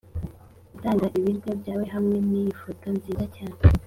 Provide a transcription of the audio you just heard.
gutanga ibiryo byawe hamwe niyi foto nziza cyane.